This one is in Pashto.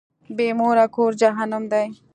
بی موره کور جهنم دی.